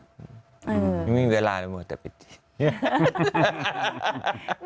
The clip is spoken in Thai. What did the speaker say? ยังมีเวลาไปหมดแต่ปิดจริง